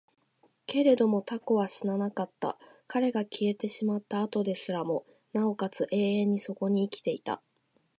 けれども蛸は死ななかった。彼が消えてしまった後ですらも、尚且つ永遠にそこに生きていた。